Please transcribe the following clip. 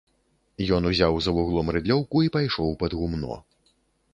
Ён узяў за вуглом рыдлёўку і пайшоў пад гумно.